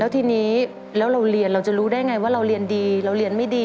ทีนี้แล้วเราเรียนเราจะรู้ได้ไงว่าเราเรียนดีเราเรียนไม่ดี